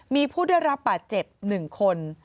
มีผู้ได้รับบาดเจ็บ๑คน